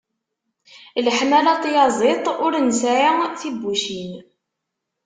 Leḥmala n tyaziḍt ur nesɛi tibbucin.